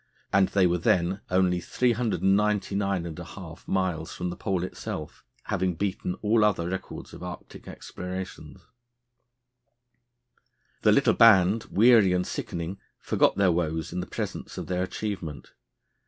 and were then only 399½ miles from the Pole itself, having beaten all other records of Arctic explorations. The little band, weary and sickening, forgot their woes in the presence of their achievement.